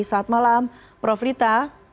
saat malam prof rita